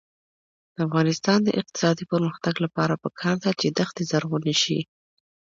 د افغانستان د اقتصادي پرمختګ لپاره پکار ده چې دښتي زرغونې شي.